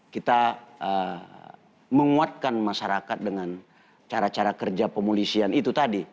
kita menguatkan masyarakat dengan cara cara kerja pemulisian itu tadi